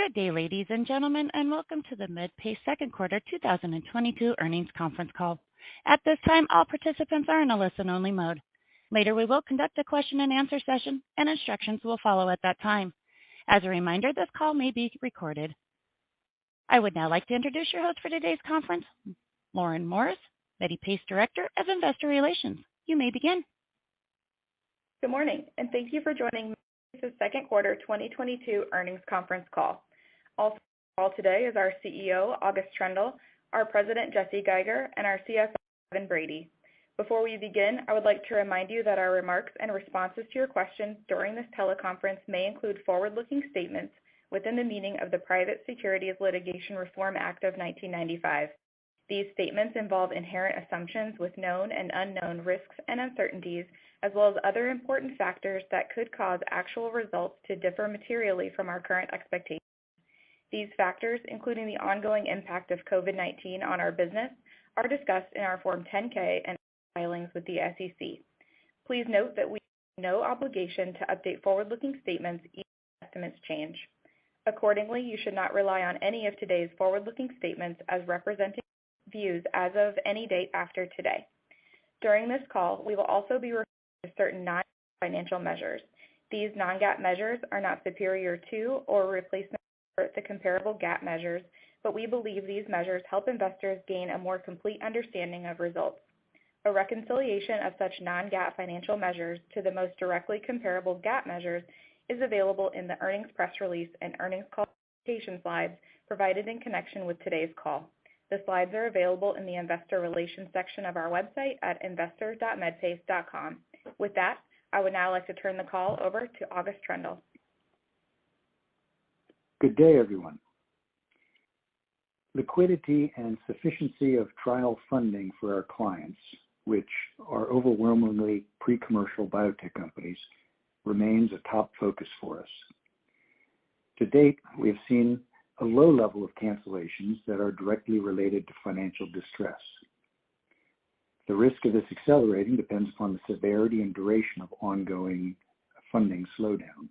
Good day, ladies and gentlemen, and welcome to the Medpace Q2 2022 Earnings Conference Call. At this time, all participants are in a listen-only mode. Later, we will conduct a question-and-answer session, and instructions will follow at that time. As a reminder, this call may be recorded. I would now like to introduce your host for today's conference, Lauren Morris, Medpace Director of Investor Relations. You may begin. Good morning and thank you for joining Medpace's Q2 2022 earnings conference call. Also on the call today is our CEO, August Troendle, our President, Jesse Geiger, and our CFO, Kevin Brady. Before we begin, I would like to remind you that our remarks and responses to your questions during this teleconference may include forward-looking statements within the meaning of the Private Securities Litigation Reform Act of 1995. These statements involve inherent assumptions with known and unknown risks and uncertainties, as well as other important factors that could cause actual results to differ materially from our current expectations. These factors, including the ongoing impact of COVID-19 on our business, are discussed in our Form 10-K and other filings with the SEC. Please note that we have no obligation to update forward-looking statements even if estimates change. Accordingly, you should not rely on any of today's forward-looking statements as representing our views as of any date after today. During this call, we will also be referring to certain non-GAAP financial measures. These non-GAAP measures are not superior to or replacement for the comparable GAAP measures, but we believe these measures help investors gain a more complete understanding of results. A reconciliation of such non-GAAP financial measures to the most directly comparable GAAP measures is available in the earnings press release and earnings call presentation slides provided in connection with today's call. The slides are available in the investor relations section of our website at investor.medpace.com. With that, I would now like to turn the call over to August Troendle. Good day, everyone. Liquidity and sufficiency of trial funding for our clients, which are overwhelmingly pre-commercial biotech companies, remains a top focus for us. To date, we have seen a low level of cancellations that are directly related to financial distress. The risk of this accelerating depends upon the severity and duration of ongoing funding slowdown.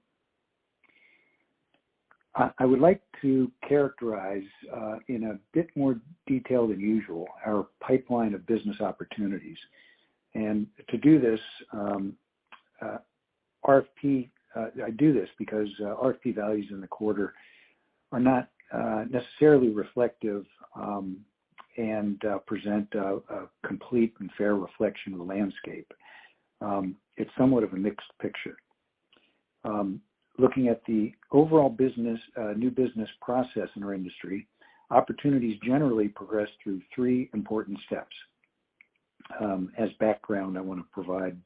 I would like to characterize in a bit more detail than usual our pipeline of business opportunities. To do this, RFP. I do this because RFP values in the quarter are not necessarily reflective and present a complete and fair reflection of the landscape. It's somewhat of a mixed picture. Looking at the overall business, new business process in our industry, opportunities generally progress through three important steps. As background, I want to provide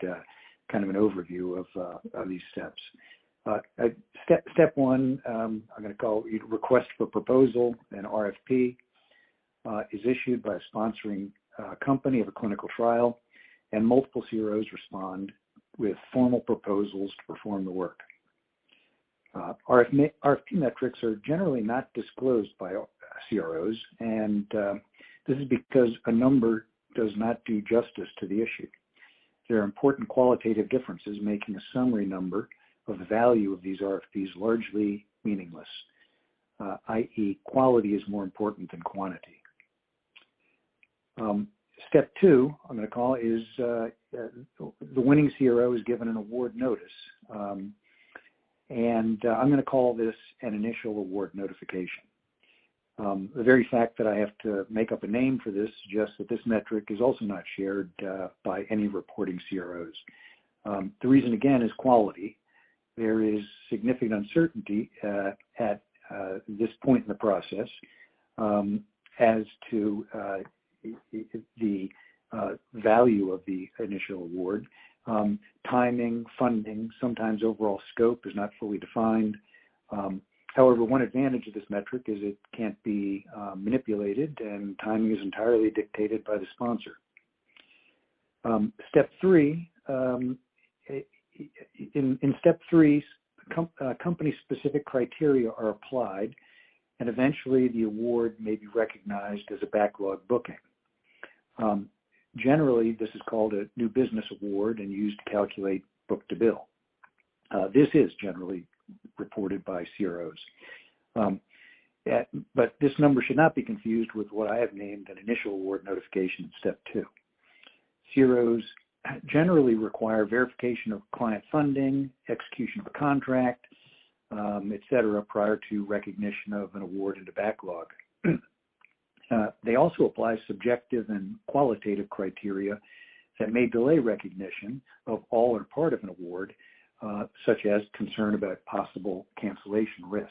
kind of an overview of these steps. Step one, I'm going to call request for proposal, an RFP, is issued by a sponsoring company of a clinical trial, and multiple CROs respond with formal proposals to perform the work. RFP metrics are generally not disclosed by CROs, and this is because a number does not do justice to the issue. There are important qualitative differences making a summary number of the value of these RFPs largely meaningless, i.e. quality is more important than quantity. Step two, I'm going to call is the winning CRO is given an award notice, and I'm going to call this an initial award notification. The very fact that I have to make up a name for this suggests that this metric is also not shared by any reporting CROs. The reason again is quality. There is significant uncertainty at this point in the process as to the value of the initial award, timing, funding, sometimes overall scope is not fully defined. However, one advantage of this metric is it can't be manipulated and timing is entirely dictated by the sponsor. Step three, in step three, company specific criteria are applied and eventually the award may be recognized as a backlog booking. Generally, this is called a new business award and used to calculate book-to-bill. This is generally reported by CROs. This number should not be confused with what I have named an initial award notification in step two. CROs generally require verification of client funding, execution of a contract, et cetera, prior to recognition of an award in the backlog. They also apply subjective and qualitative criteria that may delay recognition of all or part of an award, such as concern about possible cancellation risk.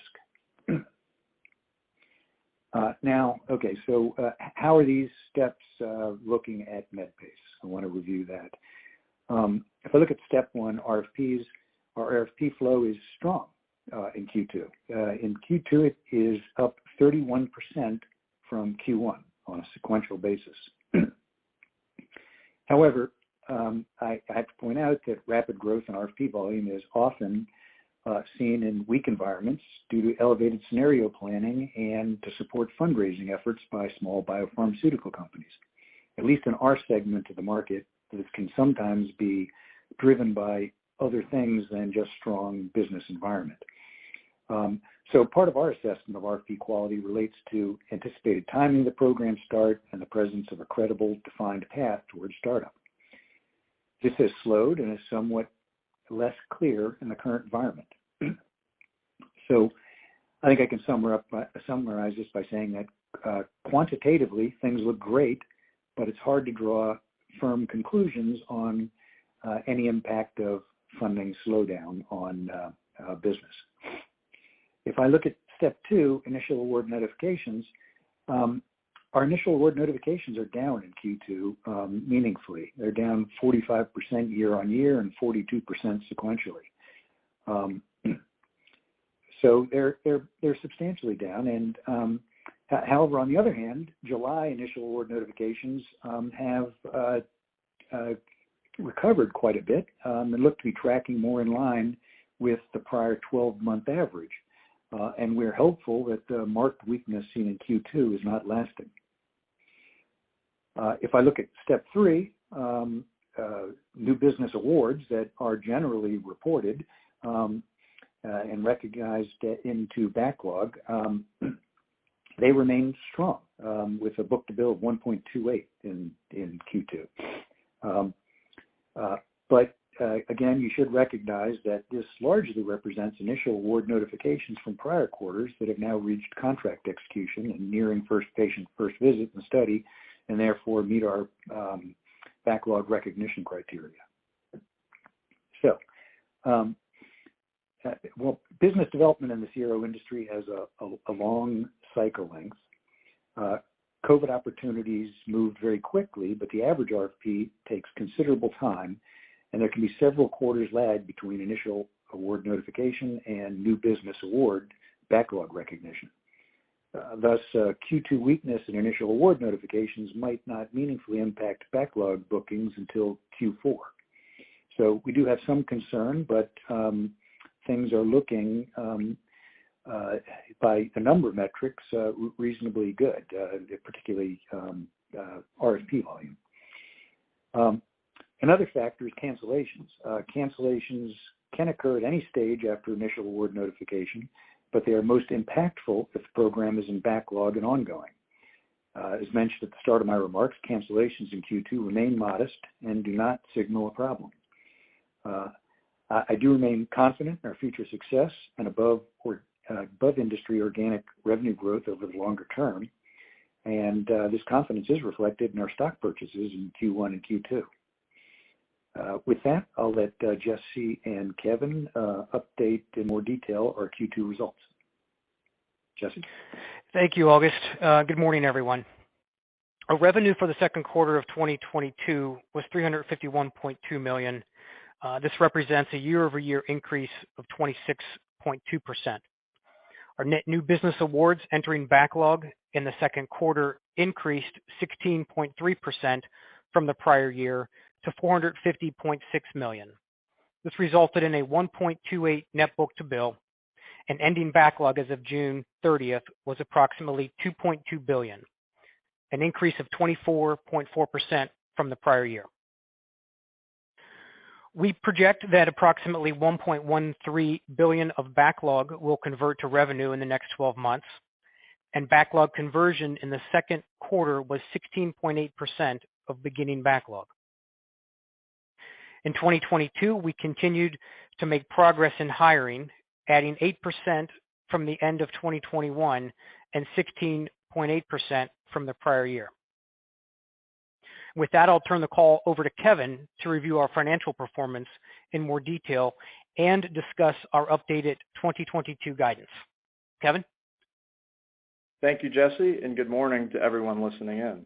How are these steps looking at Medpace? I want to review that. If I look at step one, RFPs or RFP flow is strong in Q2. In Q2, it is up 31% from Q1 on a sequential basis. However, I have to point out that rapid growth in RFP volume is often seen in weak environments due to elevated scenario planning and to support fundraising efforts by small biopharmaceutical companies. At least in our segment of the market, this can sometimes be driven by other things than just strong business environment. Part of our assessment of RFP quality relates to anticipated timing of the program start and the presence of a credible, defined path towards startup. This has slowed and is somewhat less clear in the current environment. I think I can summarize this by saying that, quantitatively things look great, but it's hard to draw firm conclusions on any impact of funding slowdown on business. If I look at step two, initial award notifications, our initial award notifications are down in Q2, meaningfully. They're down 45% year-on-year and 42% sequentially. They're substantially down. However, on the other hand, July initial award notifications have recovered quite a bit and look to be tracking more in line with the prior 12-month average. We're hopeful that the marked weakness seen in Q2 is not lasting. If I look at step three, new business awards that are generally reported and recognized into backlog, they remain strong with a book-to-bill of 1.28 in Q2. Again, you should recognize that this largely represents initial award notifications from prior quarters that have now reached contract execution and nearing first patient first visit in the study, and therefore meet our backlog recognition criteria. Business development in the CRO industry has a long cycle length. COVID opportunities moved very quickly, but the average RFP takes considerable time, and there can be several quarters lag between initial award notification and new business award backlog recognition. Thus, Q2 weakness in initial award notifications might not meaningfully impact backlog bookings until Q4. We do have some concern, but things are looking by a number of metrics reasonably good, particularly RFP volume. Another factor is cancellations. Cancellations can occur at any stage after initial award notification, but they are most impactful if the program is in backlog and ongoing. As mentioned at the start of my remarks, cancellations in Q2 remain modest and do not signal a problem. I do remain confident in our future success and above industry organic revenue growth over the longer term. This confidence is reflected in our stock purchases in Q1 and Q2. With that, I'll let Jesse and Kevin update in more detail our Q2 results. Jesse? Thank you, August. Good morning, everyone. Our revenue for the Q2 of 2022 was $351.2 million. This represents a year-over-year increase of 26.2%. Our net new business awards entering backlog in the Q2 increased 16.3% from the prior year to $450.6 million. This resulted in a 1.28 net book-to-bill, and ending backlog as of June 30th was approximately $2.2 billion, an increase of 24.4% from the prior year. We project that approximately $1.13 billions of backlog will convert to revenue in the next twelve months, and backlog conversion in the Q2 was 16.8% of beginning backlog. In 2022, we continued to make progress in hiring, adding 8% from the end of 2021 and 16.8% from the prior year. With that, I'll turn the call over to Kevin to review our financial performance in more detail and discuss our updated 2022 guidance. Kevin? Thank you, Jesse, and good morning to everyone listening in.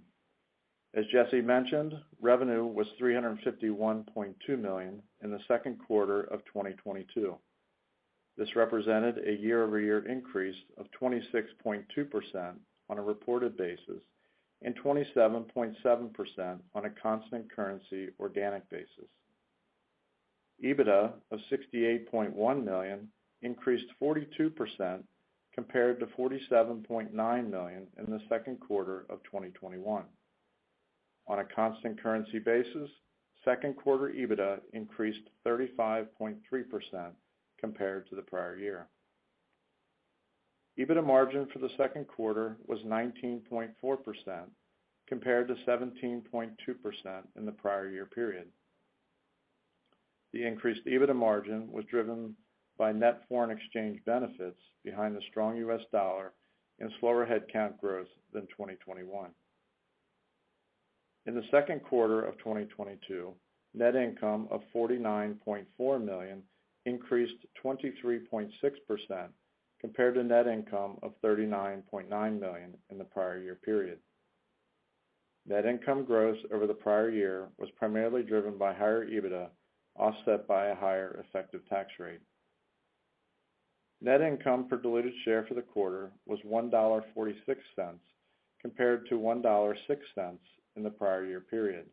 As Jesse mentioned, revenue was $351.2 million in the Q2 of 2022. This represented a year-over-year increase of 26.2% on a reported basis and 27.7% on a constant currency organic basis. EBITDA of $68.1 million increased 42% compared to $47.9 million in the Q2 of 2021. On a constant currency basis, Q2 EBITDA increased 35.3% compared to the prior year. EBITDA margin for the Q2 was 19.4% compared to 17.2% in the prior year period. The increased EBITDA margin was driven by net foreign exchange benefits behind the strong US dollar and slower headcount growth than 2021. In the Q2 of 2022, net income of $49.4 million increased 23.6% compared to net income of $39.9 million in the prior year period. Net income growth over the prior year was primarily driven by higher EBITDA, offset by a higher effective tax rate. Net income per diluted share for the quarter was $1.46 compared to $1.06 in the prior year period.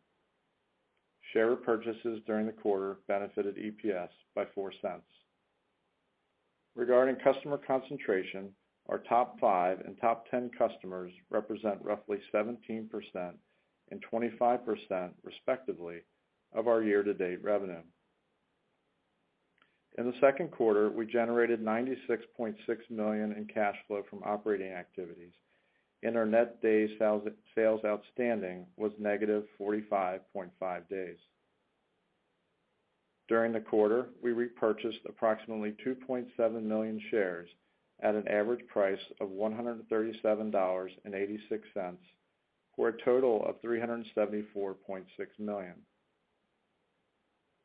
Share repurchases during the quarter benefited EPS by $0.04. Regarding customer concentration, our top five and top 10 customers represent roughly 17% and 25% respectively of our year-to-date revenue. In the Q2, we generated $96.6 million in cash flow from operating activities, and our net days sales outstanding was negative 45.5 days. During the quarter, we repurchased approximately 2.7 million shares at an average price of $137.86, for a total of $374.6 million.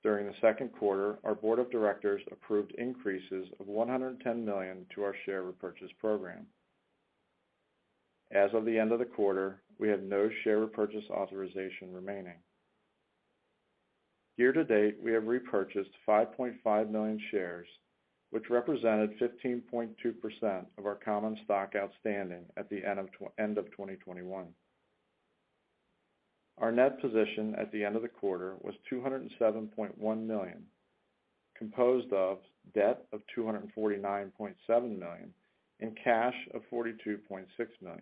During the Q2, our board of directors approved increases of $110 million to our share repurchase program. As of the end of the quarter, we have no share repurchase authorization remaining. Year to date, we have repurchased 5.5 million shares, which represented 15.2% of our common stock outstanding at the end of 2021. Our net position at the end of the quarter was $207.1 million, composed of debt of $249.7 million and cash of $42.6 million.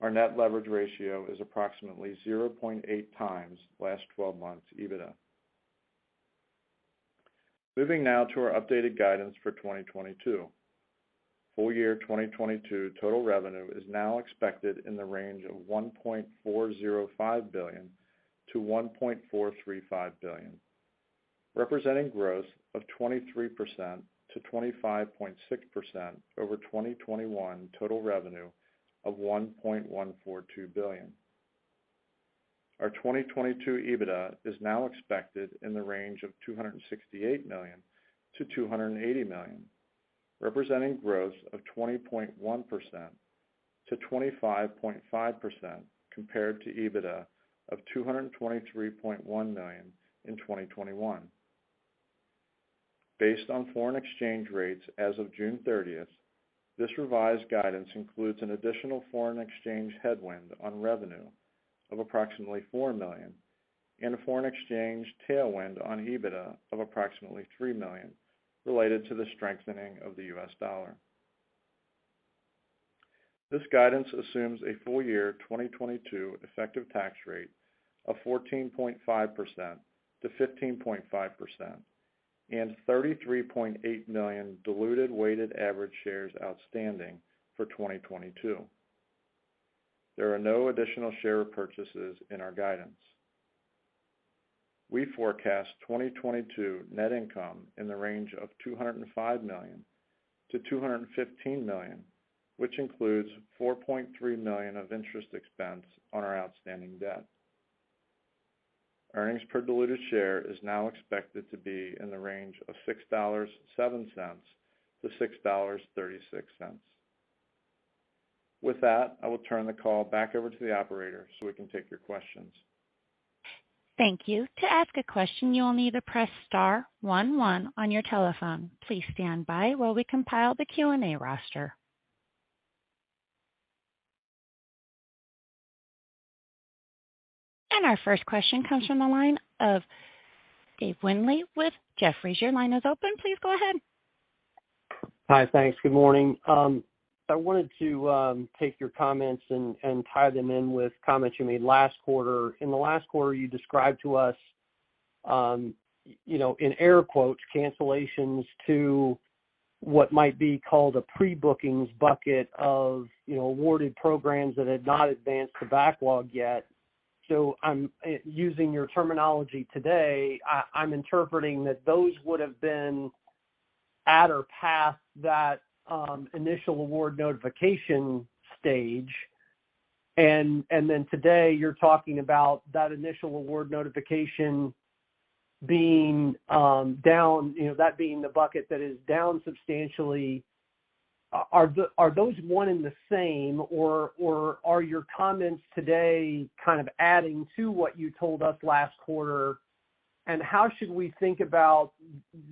Our net leverage ratio is approximately 0.8x last twelve months EBITDA. Moving now to our updated guidance for 2022. Full year 2022 total revenue is now expected in the range of $1.405-$1.435 billion, representing growth of 23%-25.6% over 2021 total revenue of $1.142 billion. Our 2022 EBITDA is now expected in the range of $268-$280 million, representing growth of 20.1%-25.5% compared to EBITDA of $223.1 million in 2021. Based on foreign exchange rates as of June 30th, this revised guidance includes an additional foreign exchange headwind on revenue of approximately $4 million and a foreign exchange tailwind on EBITDA of approximately $3 million related to the strengthening of the US dollar. This guidance assumes a full year 2022 effective tax rate of 14.5%-15.5% and 33.8 million diluted weighted average shares outstanding for 2022. There are no additional share purchases in our guidance. We forecast 2022 net income in the range of $205-$215 million, which includes $4.3 millions of interest expense on our outstanding debt. Earnings per diluted share is now expected to be in the range of $6.07-$6.36. With that, I will turn the call back over to the operator so we can take your questions. Thank you. To ask a question, you will need to press star one, one on your telephone. Please stand by while we compile the Q&A roster. Our first question comes from the line of David Windley with Jefferies. Your line is open. Please go ahead. Hi. Thanks. Good morning. I wanted to take your comments and tie them in with comments you made last quarter. In the last quarter, you described to us, you know, in air quotes, cancellations to what might be called a pre-bookings bucket of, you know, awarded programs that had not advanced to backlog yet. I'm using your terminology today. I'm interpreting that those would have been at or past that initial award notification stage. Then today, you're talking about that initial award notification being down, you know, that being the bucket that is down substantially. Are those one and the same or are your comments today kind of adding to what you told us last quarter? How should we think about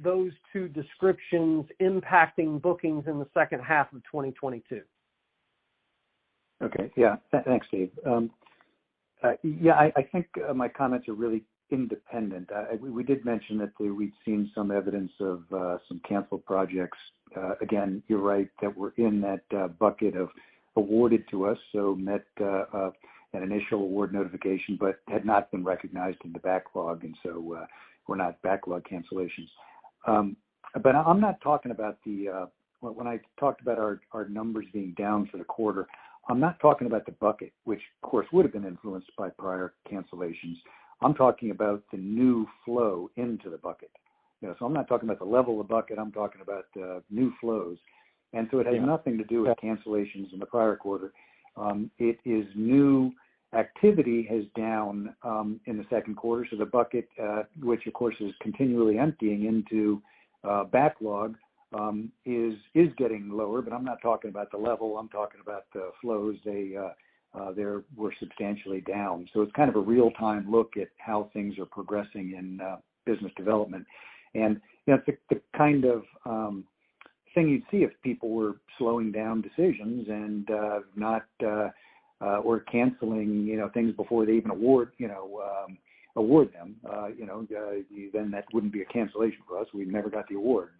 those two descriptions impacting bookings in the H2 of 2022? Okay. Yeah. Thanks, Dave. Yeah, I think my comments are really independent. We did mention that we'd seen some evidence of some canceled projects. Again, you're right that we're in that bucket of awarded to us, an initial award notification but had not been recognized in the backlog, and so were not backlog cancellations. But when I talked about our numbers being down for the quarter, I'm not talking about the bucket, which of course would've been influenced by prior cancellations. I'm talking about the new flow into the bucket. You know, so I'm not talking about the level of the bucket. I'm talking about new flows. It has nothing to do with cancellations in the prior quarter. New activity is down in the Q2, so the bucket, which of course is continually emptying into backlog, is getting lower. I'm not talking about the level. I'm talking about the flows. They were substantially down. It's kind of a real-time look at how things are progressing in business development. You know, it's the kind of thing you'd see if people were slowing down decisions and not or canceling, you know, things before they even award, you know. award them, you know, then that wouldn't be a cancellation for us. We never got the award.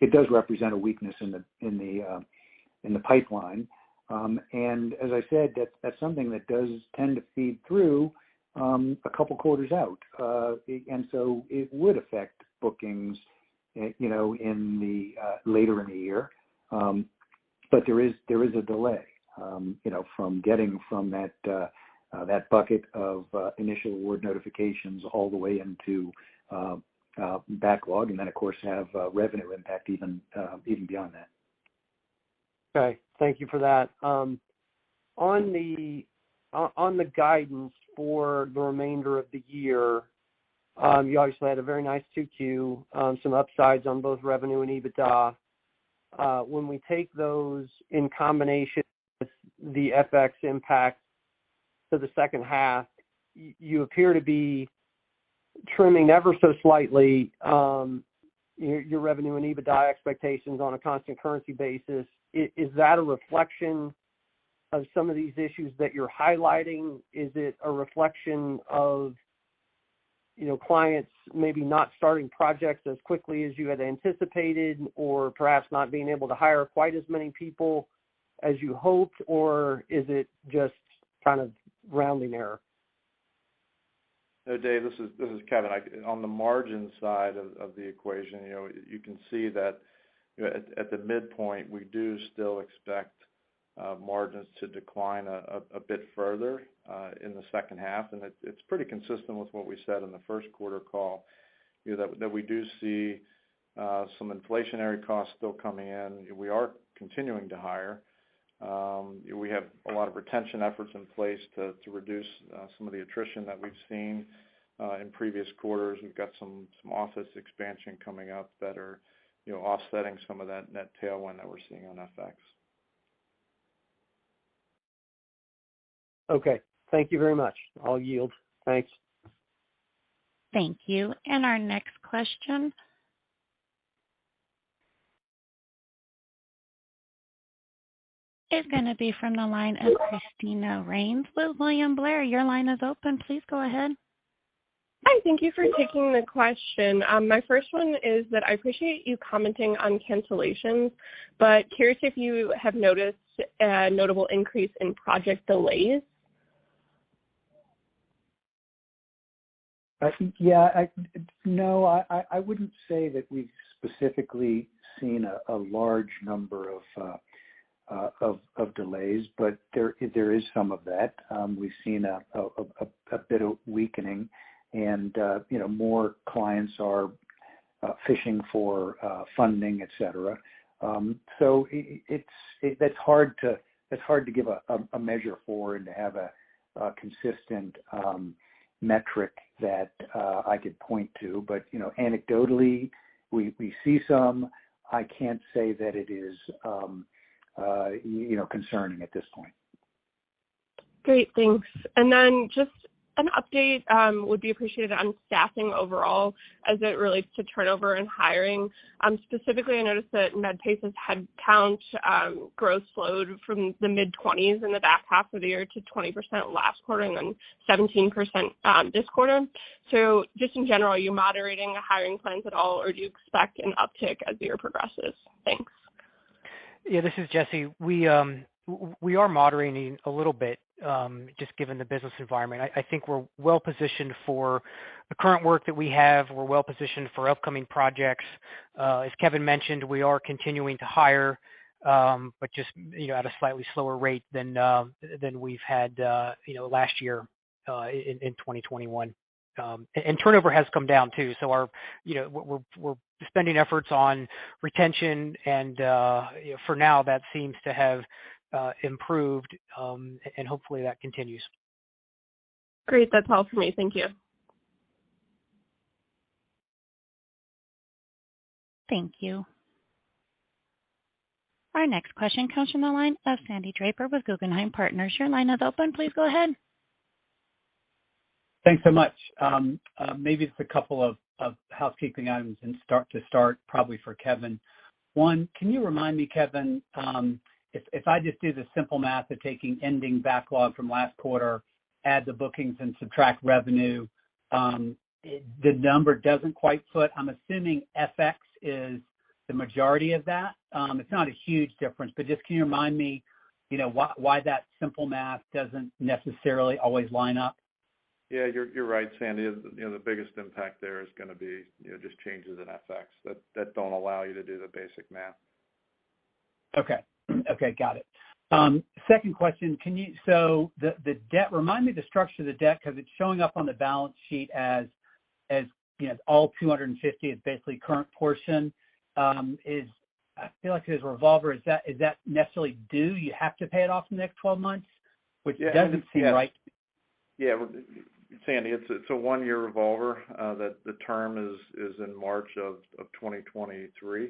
It does represent a weakness in the pipeline. As I said, that's something that does tend to feed through a couple quarters out. It would affect bookings, you know, later in the year. There is a delay, you know, from getting that bucket of initial award notifications all the way into backlog. Of course, have revenue impact even beyond that. Okay, thank you for that. On the guidance for the remainder of the year, you obviously had a very nice 2Q, some upsides on both revenue and EBITDA. When we take those in combination with the FX impact to the H2, you appear to be trimming ever so slightly your revenue and EBITDA expectations on a constant currency basis. Is that a reflection of some of these issues that you're highlighting? Is it a reflection of, you know, clients maybe not starting projects as quickly as you had anticipated, or perhaps not being able to hire quite as many people as you hoped? Or is it just kind of rounding error? No, Dave, this is Kevin. On the margin side of the equation, you know, you can see that, you know, at the midpoint, we do still expect margins to decline a bit further in the H2. It's pretty consistent with what we said on the Q1 call, you know, that we do see some inflationary costs still coming in. We are continuing to hire. We have a lot of retention efforts in place to reduce some of the attrition that we've seen in previous quarters. We've got some office expansion coming up that are offsetting some of that net tailwind that we're seeing on FX. Okay, thank you very much. I'll yield. Thanks. Thank you. Our next question is going to be from the line of Christine Rains with William Blair. Your line is open. Please go ahead. Hi. Thank you for taking the question. My first one is that I appreciate you commenting on cancellations, but curious if you have noticed a notable increase in project delays. I think, yeah. No, I wouldn't say that we've specifically seen a large number of delays, but there is some of that. We've seen a bit of weakening and, you know, more clients are fishing for funding, et cetera. It's hard to give a measure for and to have a consistent metric that I could point to. You know, anecdotally, we see some. I can't say that it is, you know, concerning at this point. Great. Thanks. Just an update would be appreciated on staffing overall as it relates to turnover and hiring. Specifically, I noticed that Medpace's headcount growth slowed from the mid-20s% in the back half of the year to 20% last quarter and then 17% this quarter. Just in general, are you moderating the hiring plans at all, or do you expect an uptick as the year progresses? Thanks. Yeah, this is Jesse. We are moderating a little bit, just given the business environment. I think we're well-positioned for the current work that we have. We're well-positioned for upcoming projects. As Kevin mentioned, we are continuing to hire, but just, you know, at a slightly slower rate than we've had, you know, last year, in 2021. Turnover has come down too, so, you know, we're spending efforts on retention, and for now, that seems to have improved, and hopefully, that continues. Great. That's all for me. Thank you. Thank you. Our next question comes from the line of Sandy Draper with Guggenheim Partners. Your line is open. Please go ahead. Thanks so much. Maybe just a couple of housekeeping items to start, probably for Kevin. One, can you remind me, Kevin, if I just do the simple math of taking ending backlog from last quarter, add the bookings and subtract revenue, the number doesn't quite fit. I'm assuming FX is the majority of that. It's not a huge difference, but just can you remind me, you know, why that simple math doesn't necessarily always line up? Yeah, you're right, Sandy. You know, the biggest impact there is going to be, you know, just changes in FX that don't allow you to do the basic math. Okay. Okay, got it. Second question. The debt. Remind me the structure of the debt 'cause it's showing up on the balance sheet as, you know, all $250 is basically current portion. I feel like it is revolver. Is that necessarily due? You have to pay it off in the next 12 months? Which it doesn't seem right. Yeah. Sandy, it's a one-year revolver that the term is in March of 2023. You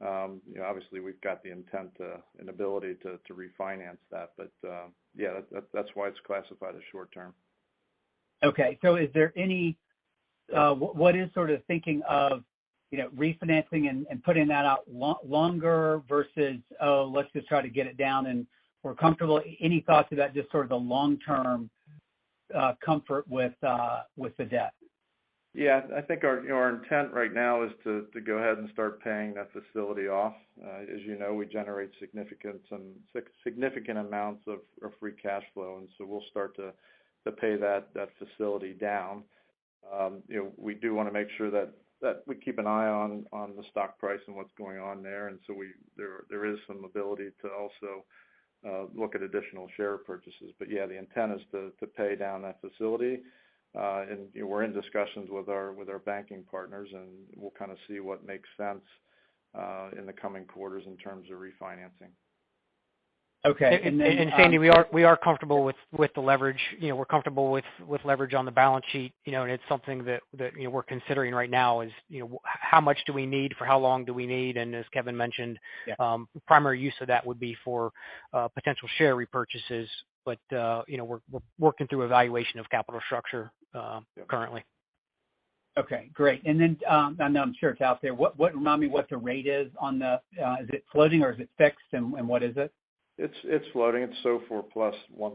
know, obviously, we've got the intent to and ability to refinance that. That's why it's classified as short term. Okay. Is there any What is sort of thinking of, you know, refinancing and putting that out longer versus let's just try to get it down and we're comfortable. Any thoughts to that, just sort of the long-term comfort with the debt? Yeah. I think our intent right now is to go ahead and start paying that facility off. As you know, we generate significant amounts of free cash flow, and so we'll start to pay that facility down. You know, we do want to make sure that we keep an eye on the stock price and what's going on there. There is some ability to also look at additional share purchases. Yeah, the intent is to pay down that facility. You know, we're in discussions with our banking partners, and we'll kind of see what makes sense in the coming quarters in terms of refinancing. Okay. Sandy, we are comfortable with the leverage. You know, we're comfortable with leverage on the balance sheet. You know, it's something that you know, we're considering right now, you know, how much do we need? For how long do we need? As Kevin mentioned- Yeah Primary use of that would be for potential share repurchases. You know, we're working through evaluation of capital structure currently. Okay, great. I'm sure it's out there. What, remind me what the rate is on the. Is it floating or is it fixed, and what is it? It's floating. It's SOFR plus 1%.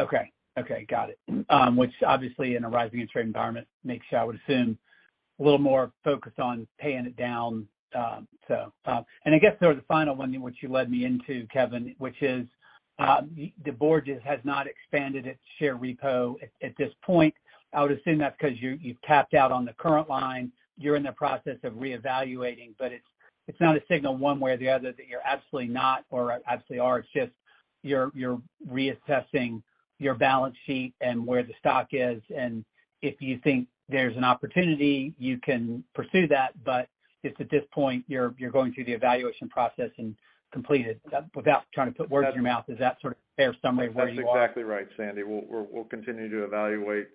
Okay. Okay, got it. Which obviously in a rising interest rate environment makes, I would assume, a little more focused on paying it down. I guess there was a final one which you led me into, Kevin, which is, Medpace has not expanded its share repo at this point. I would assume that's 'cause you've tapped out on the current line. You're in the process of reevaluating, but it's not a signal one way or the other that you're absolutely not or absolutely are. It's just you're reassessing your balance sheet and where the stock is, and if you think there's an opportunity, you can pursue that. But at this point, you're going through the evaluation process and complete it. Without trying to put words in your mouth, is that sort of a fair summary of where you are? That's exactly right, Sandy. We'll continue to evaluate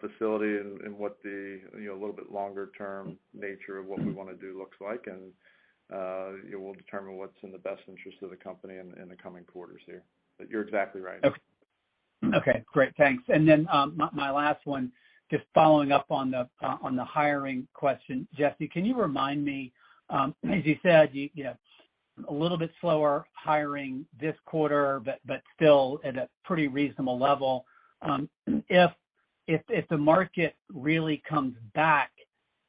facility and what the, you know, a little bit longer term nature of what we want to do looks like. You know, we'll determine what's in the best interest of the company in the coming quarters here. You're exactly right. Okay. Okay, great. Thanks. My last one, just following up on the hiring question. Jesse, can you remind me, as you said, you know, a little bit slower hiring this quarter, but still at a pretty reasonable level. If the market really comes back,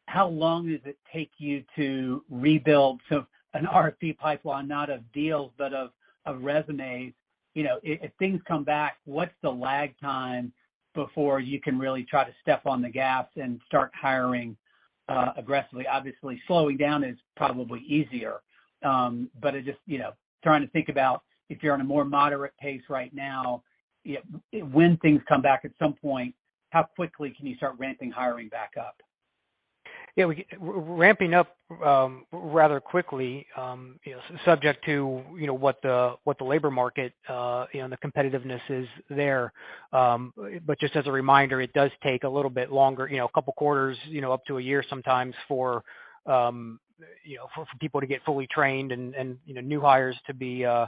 how long does it take you to rebuild sort of an RFP pipeline, not of deals, but of resumes? You know, if things come back, what's the lag time before you can really try to step on the gas and start hiring aggressively? Obviously, slowing down is probably easier. It just, you know, trying to think about if you're on a more moderate pace right now, you know, when things come back at some point, how quickly can you start ramping hiring back up? Yeah, we get ramping up rather quickly, you know, subject to what the labor market, you know, the competitiveness is there. But just as a reminder, it does take a little bit longer, you know, a couple quarters, you know, up to a year sometimes for people to get fully trained and you know, new hires to be you know,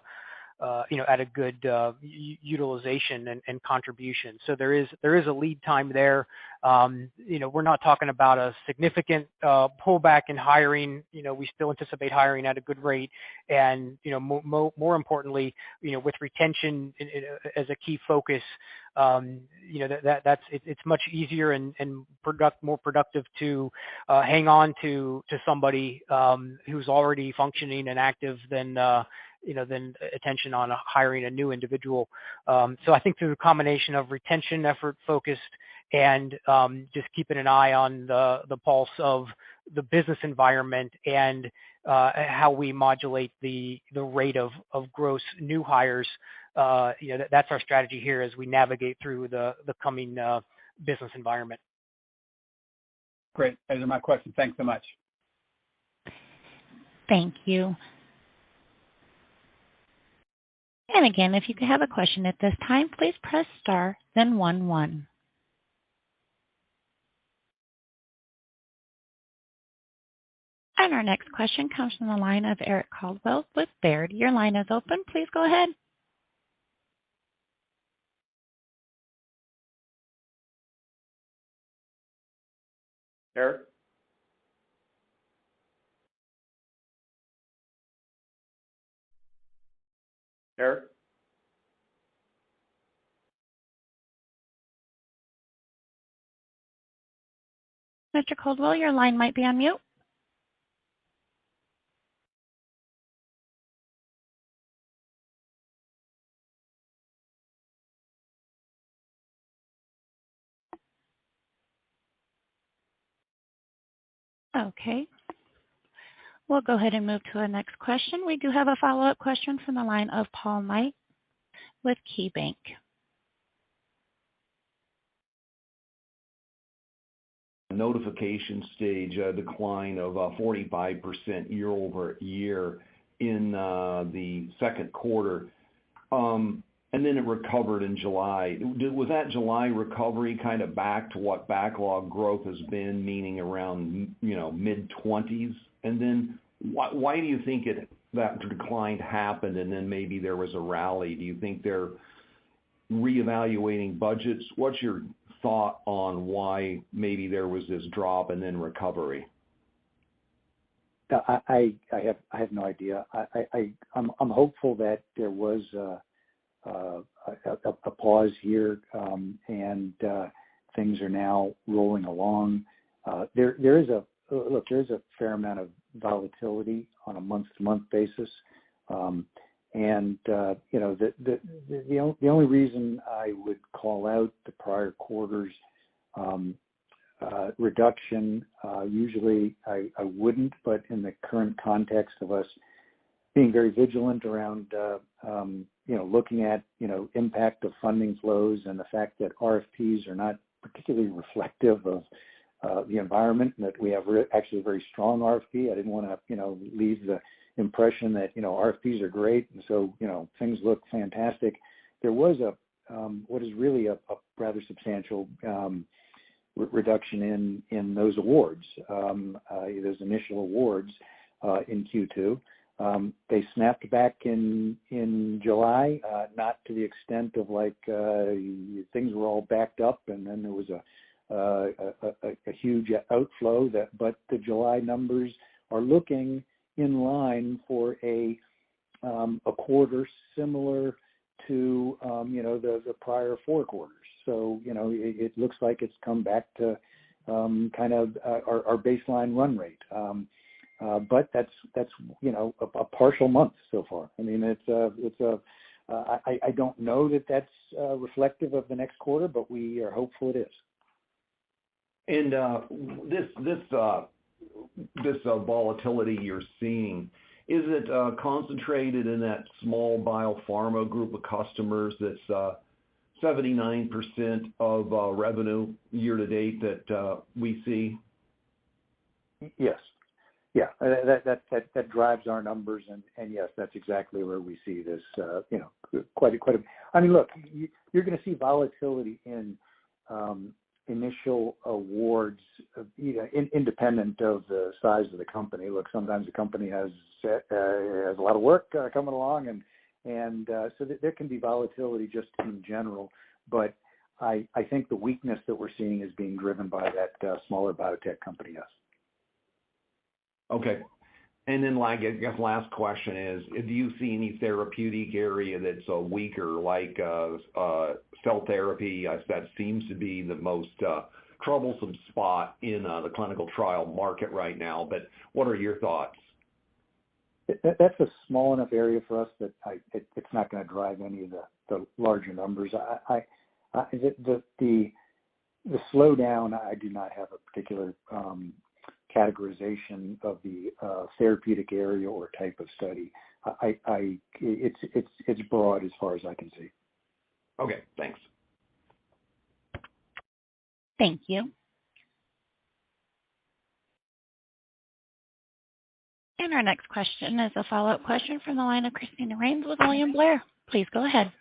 at a good utilization and contribution. So there is a lead time there. You know, we're not talking about a significant pullback in hiring. You know, we still anticipate hiring at a good rate. You know, more importantly, you know, with retention as a key focus, you know, it's much easier and more productive to hang on to somebody who's already functioning and active than, you know, attention on hiring a new individual. I think through the combination of retention effort focus and just keeping an eye on the pulse of the business environment and how we modulate the rate of gross new hires, you know, that's our strategy here as we navigate through the coming business environment. Great. Those are my questions. Thanks so much. Thank you. Again, if you have a question at this time, please press star then one. Our next question comes from the line of Eric Coldwell with Baird. Your line is open. Please go ahead. Eric? Mr. Caldwell, your line might be on mute. Okay. We'll go ahead and move to our next question. We do have a follow-up question from the line of Paul Knight with KeyBank. Notification stage, a decline of 45% year-over-year in the Q2, and then it recovered in July. Was that July recovery kind of back to what backlog growth has been, meaning around, you know, mid-20s? Why do you think that decline happened, and then maybe there was a rally? Do you think they're reevaluating budgets? What's your thought on why maybe there was this drop and then recovery? I have no idea. I'm hopeful that there was a pause here, and things are now rolling along. Look, there is a fair amount of volatility on a month-to-month basis. You know, the only reason I would call out the prior quarter's reduction, usually I wouldn't. In the current context of us being very vigilant around looking at impact of funding flows and the fact that RFPs are not particularly reflective of the environment and that we have actually a very strong RFP. I didn't want to leave the impression that you know RFPs are great, and so you know things look fantastic. There was a what is really a rather substantial reduction in those initial awards in Q2. They snapped back in July not to the extent of like things were all backed up and then there was a huge outflow. The July numbers are looking in line for a quarter similar to you know the prior four quarters. You know it looks like it's come back to kind of our baseline run rate. But that's you know a partial month so far. I mean it's I don't know that that's reflective of the next quarter but we are hopeful it is. This volatility you're seeing, is it concentrated in that small biopharma group of customers that's 79% of revenue year to date that we see? Yes. Yeah. That drives our numbers and yes, that's exactly where we see this, you know, quite a. I mean, look, you're going to see volatility in initial awards, independent of the size of the company. Look, sometimes the company has a lot of work coming along and so there can be volatility just in general. I think the weakness that we're seeing is being driven by that smaller biotech company, yes. Okay. Like, I guess last question is, do you see any therapeutic area that's weaker like, cell therapy as that seems to be the most troublesome spot in the clinical trial market right now? What are your thoughts? That's a small enough area for us that it's not going to drive any of the larger numbers. I do not have a particular categorization of the therapeutic area or type of study. It's broad as far as I can see. Okay, thanks. Thank you. Our next question is a follow-up question from the line of Christine Rains with William Blair. Please go ahead.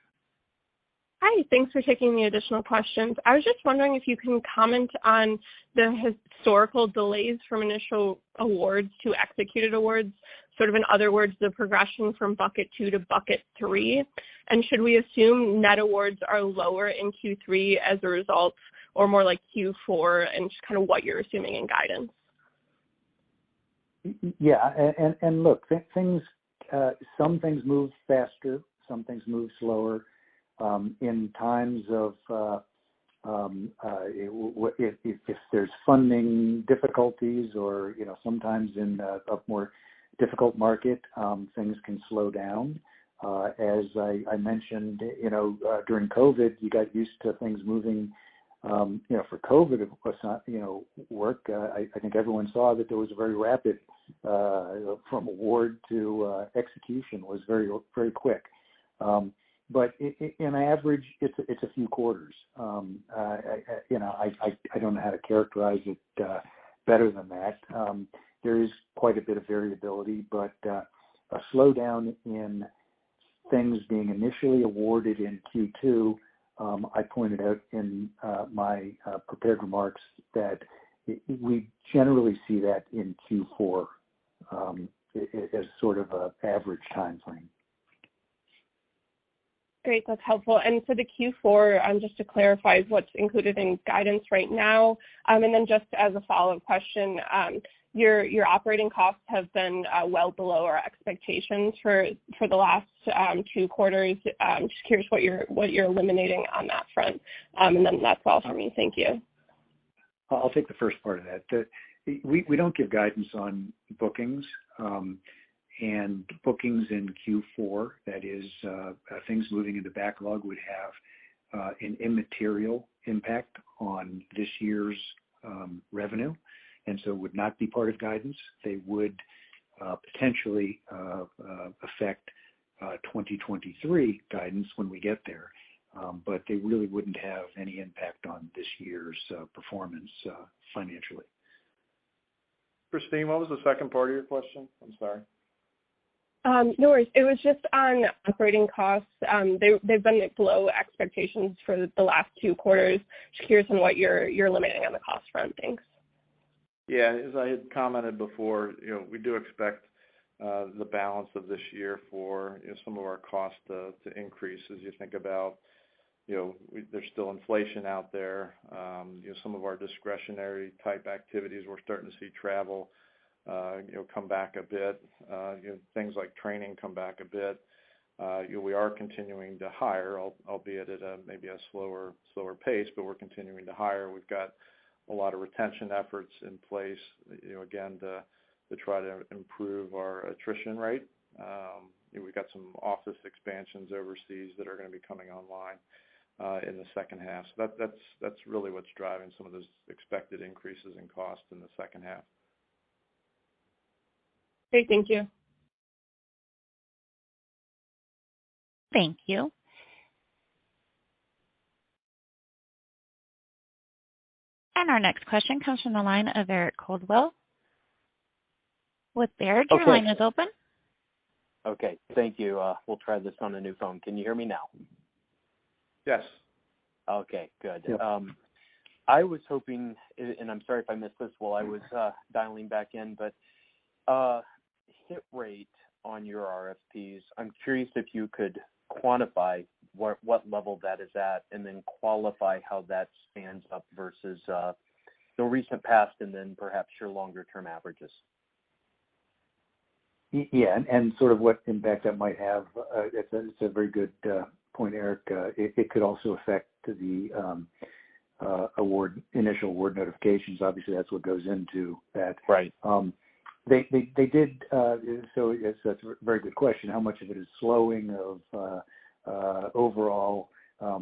Hi. Thanks for taking the additional questions. I was just wondering if you can comment on the historical delays from initial awards to executed awards, sort of in other words, the progression from bucket two to bucket three. Should we assume net awards are lower in Q3 as a result or more like Q4 and just kind of what you're assuming in guidance? Yeah. Look, some things move faster, some things move slower. In times of funding difficulties or, you know, sometimes in a more difficult market, things can slow down. As I mentioned, you know, during COVID, you got used to things moving, you know, for COVID it was not, you know, work. I think everyone saw that there was a very rapid from award to execution, which was very quick. On average, it's a few quarters. You know, I don't know how to characterize it better than that. There is quite a bit of variability. A slowdown in things being initially awarded in Q2. I pointed out in my prepared remarks that we generally see that in Q4, as sort of an average timeline. Great. That's helpful. For the Q4, just to clarify what's included in guidance right now. Just as a follow-up question, your operating costs have been well below our expectations for the last two quarters. Just curious what you're eliminating on that front. That's all for me. Thank you. I'll take the first part of that. We don't give guidance on bookings, and bookings in Q4, that is, things moving into backlog would have an immaterial impact on this year's revenue, and so would not be part of guidance. They would potentially affect 2023 guidance when we get there. They really wouldn't have any impact on this year's performance financially. Christine, what was the second part of your question? I'm sorry. No worries. It was just on operating costs. They've been below expectations for the last two quarters. Just curious on what you're eliminating on the cost front. Thanks. Yeah. As I had commented before, you know, we do expect. The balance of this year for, you know, some of our cost to increase as you think about, you know, there's still inflation out there. You know, some of our discretionary type activities, we're starting to see travel, you know, come back a bit. You know, things like training come back a bit. You know, we are continuing to hire, albeit at a maybe a slower pace, but we're continuing to hire. We've got a lot of retention efforts in place, you know, again, to try to improve our attrition rate. You know, we've got some office expansions overseas that are going to be coming online in the H2. That's really what's driving some of those expected increases in cost in the H2. Okay, thank you. Thank you. Our next question comes from the line of Eric Coldwell with Baird. Okay. Your line is open. Okay. Thank you. We'll try this on a new phone. Can you hear me now? Yes. Okay, good. Yeah. I was hoping, and I'm sorry if I missed this while I was dialing back in, but hit rate on your RFPs. I'm curious if you could quantify what level that is at, and then qualify how that stands up versus the recent past and then perhaps your longer term averages. Yeah. Sort of what impact that might have. That's a very good point, Eric. It could also affect the initial award notifications. Obviously, that's what goes into that. Right. Yes, that's a very good question. How much of it is slowing of overall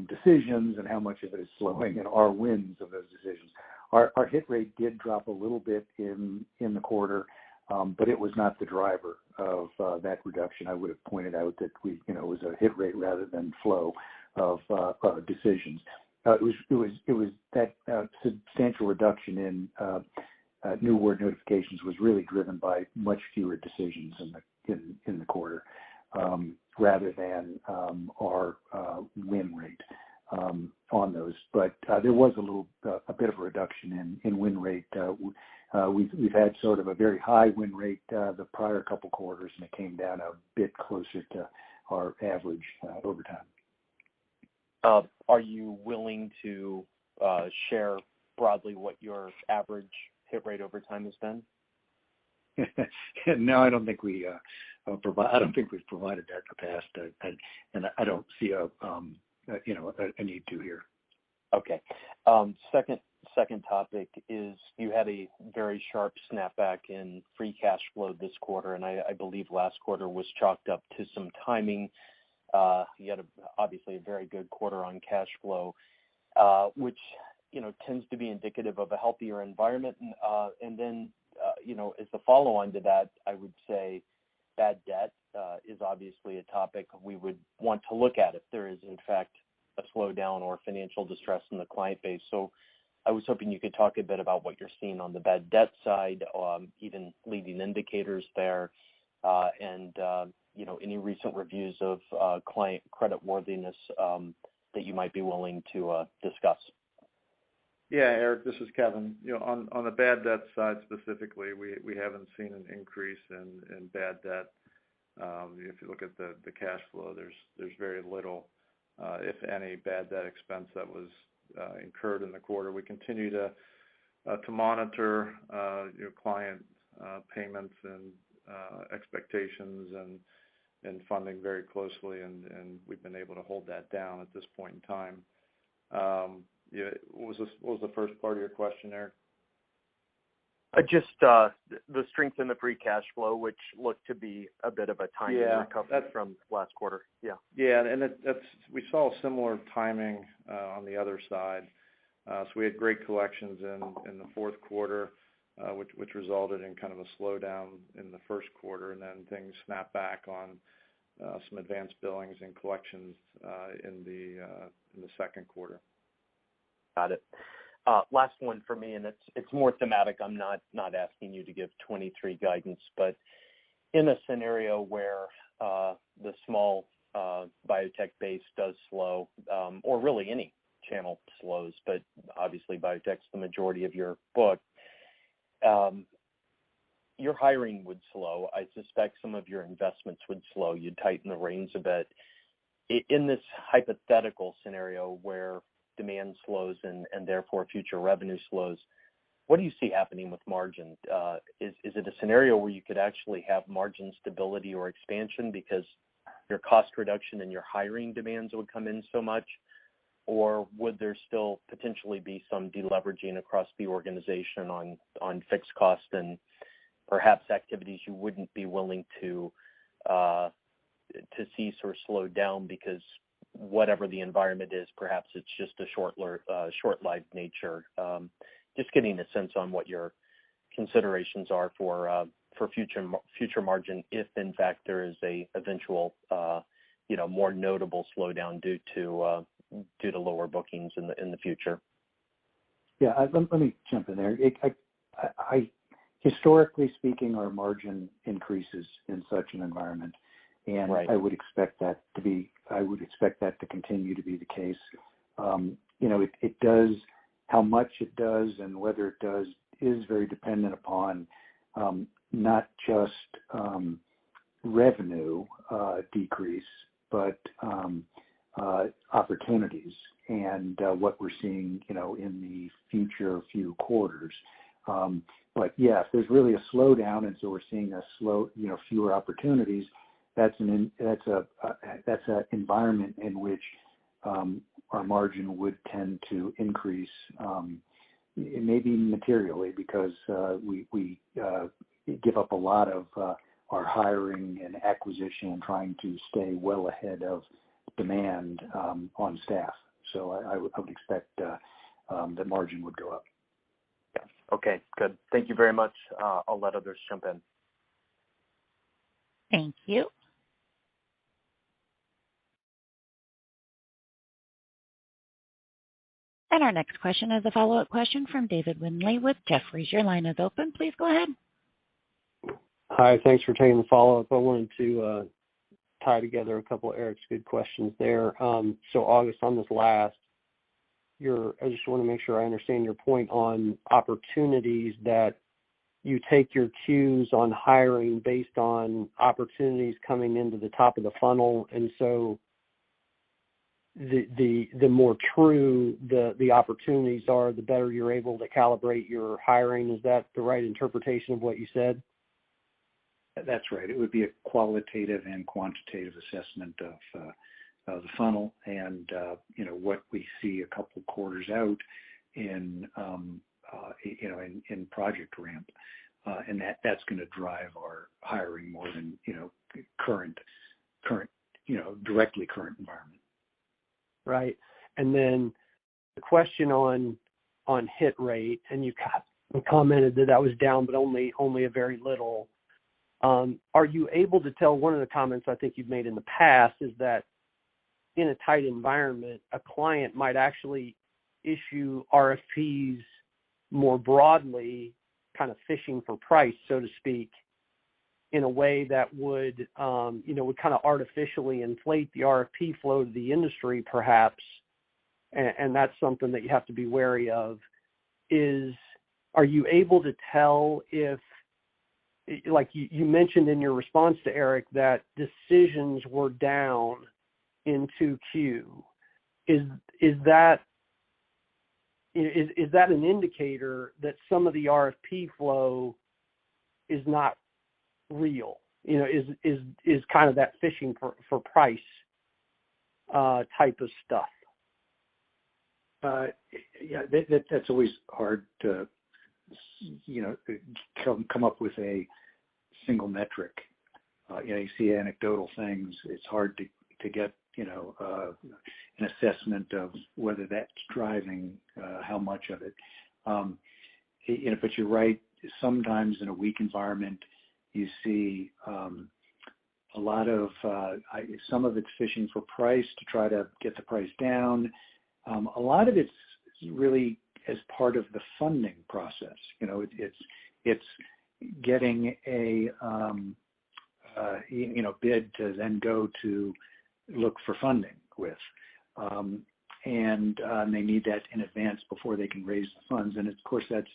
decisions and how much of it is slowing in our wins of those decisions? Our hit rate did drop a little bit in the quarter. It was not the driver of that reduction. I would have pointed out that we, you know, it was a hit rate rather than flow of decisions. It was that substantial reduction in new award notifications was really driven by much fewer decisions in the quarter rather than our win rate on those. There was a little a bit of a reduction in win rate. We've had sort of a very high win rate the prior couple quarters, and it came down a bit closer to our average over time. Are you willing to share broadly what your average hit rate over time has been? No, I don't think we've provided that in the past, and I don't see, you know, a need to here. Okay. Second topic is you had a very sharp snapback in free cash flow this quarter, and I believe last quarter was chalked up to some timing. You had obviously a very good quarter on cash flow, which, you know, tends to be indicative of a healthier environment. As the follow-on to that, I would say bad debt is obviously a topic we would want to look at if there is in fact a slowdown or financial distress in the client base. I was hoping you could talk a bit about what you're seeing on the bad debt side, even leading indicators there, and you know, any recent reviews of client credit worthiness that you might be willing to discuss. Yeah, Eric, this is Kevin. You know, on the bad debt side specifically, we haven't seen an increase in bad debt. If you look at the cash flow, there's very little, if any, bad debt expense that was incurred in the quarter. We continue to monitor your client payments and expectations and funding very closely, and we've been able to hold that down at this point in time. Yeah, what was the first part of your question, Eric? Just the strength in the free cash flow, which looked to be a bit of a timing recovery. Yeah. From last quarter. Yeah. Yeah, that's what we saw, a similar timing on the other side. We had great collections in the Q4, which resulted in kind of a slowdown in the Q1, and then things snapped back on some advanced billings and collections in the Q2. Got it. Last one for me, and it's more thematic. I'm not asking you to give 2023 guidance, but in a scenario where the small biotech base does slow, or really any channel slows, but obviously biotech's the majority of your book, your hiring would slow. I suspect some of your investments would slow. You'd tighten the reins a bit. In this hypothetical scenario where demand slows and therefore future revenue slows, what do you see happening with margin? Is it a scenario where you could actually have margin stability or expansion because your cost reduction and your hiring demands would come in so much? Would there still potentially be some deleveraging across the organization on fixed costs and perhaps activities you wouldn't be willing to see sort of slow down because whatever the environment is, perhaps it's just a short-lived nature? Just getting a sense on what your considerations are for future margin, if in fact there is an eventual, you know, more notable slowdown due to lower bookings in the future. Yeah. Let me jump in there. Historically speaking, our margin increases in such an environment. Right. I would expect that to continue to be the case. You know, it does. How much it does and whether it does is very dependent upon, not just, Revenue decrease, but opportunities and what we're seeing, you know, in the future few quarters. Yes, there's really a slowdown, and so we're seeing a slow, you know, fewer opportunities. That's an environment in which our margin would tend to increase, maybe materially because we give up a lot of our hiring and acquisition in trying to stay well ahead of demand on staff. I would expect that margin would go up. Okay, good. Thank you very much. I'll let others jump in. Thank you. Our next question is a follow-up question from David Windley with Jefferies. Your line is open. Please go ahead. Hi. Thanks for taking the follow-up. I wanted to tie together a couple of Eric's good questions there. August, I just want to make sure I understand your point on opportunities that you take your cues on hiring based on opportunities coming into the top of the funnel. The more true the opportunities are, the better you're able to calibrate your hiring. Is that the right interpretation of what you said? That's right. It would be a qualitative and quantitative assessment of the funnel and you know, what we see a couple of quarters out in project ramp. That's going to drive our hiring more than you know, the current direct environment. Right. Then the question on hit rate, and you commented that was down but only a very little. Are you able to tell. One of the comments I think you've made in the past is that in a tight environment, a client might actually issue RFPs more broadly, kind of fishing for price, so to speak, in a way that would, you know, would kind of artificially inflate the RFP flow of the industry perhaps. That's something that you have to be wary of. Are you able to tell if. Like, you mentioned in your response to Eric that decisions were down in 2Q. Is that an indicator that some of the RFP flow is not real? You know, is kind of that fishing for price type of stuff? Yeah, that's always hard to, you know, come up with a single metric. You know, you see anecdotal things. It's hard to get, you know, an assessment of whether that's driving how much of it. You know, but you're right. Sometimes in a weak environment, you see a lot of. Some of it's fishing for price to try to get the price down. A lot of it's really as part of the funding process. You know, it's getting a bid to then go to look for funding with. They need that in advance before they can raise the funds. Of course, that's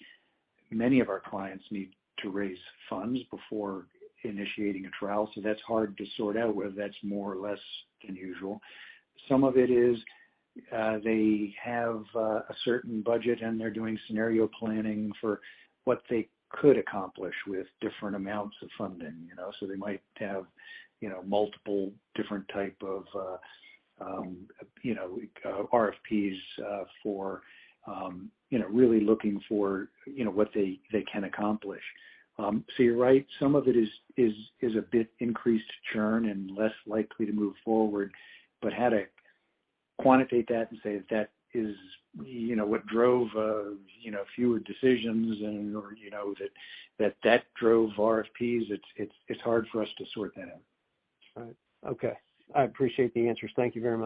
many of our clients need to raise funds before initiating a trial, so that's hard to sort out whether that's more or less than usual. Some of it is they have a certain budget, and they're doing scenario planning for what they could accomplish with different amounts of funding, you know. They might have, you know, multiple different type of RFPs for, you know, really looking for, you know, what they can accomplish. You're right. Some of it is a bit increased churn and less likely to move forward. How to quantitate that and say that is, you know, what drove, you know, fewer decisions and/or, you know, that drove RFPs, it's hard for us to sort that out. All right. Okay. I appreciate the answers. Thank you very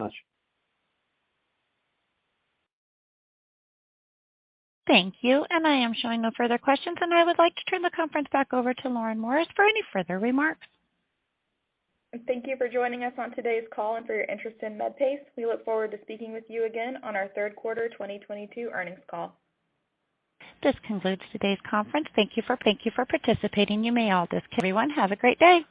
much. Thank you. I am showing no further questions, and I would like to turn the conference back over to Lauren Morris for any further remarks. Thank you for joining us on today's call and for your interest in Medpace. We look forward to speaking with you again on our Q3 2022 earnings call. This concludes today's conference. Thank you for participating. You may all disconnect. Everyone, have a great day.